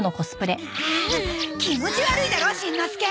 あ気持ち悪いだろしんのすけ。